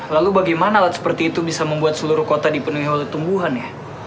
lalu bagaimana alat seperti itu bisa membuat seluruh kota dipenuhi oleh tumbuhan ya